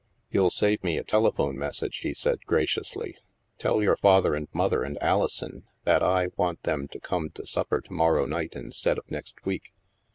" You'll save me a telephone message," he said graciously. " Tell your father and mother and Ali son that I want them to come to supper to morrow night instead of next week.